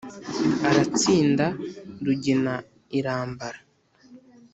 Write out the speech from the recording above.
aratsinda, rugina irambara.